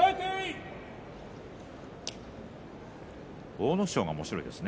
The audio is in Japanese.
阿武咲がおもしろいですね